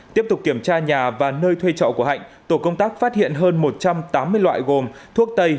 tiếp tục kiểm tra nhà và nơi thuê trọ của hạnh tổ công tác phát hiện hơn một trăm tám mươi loại gồm thuốc tây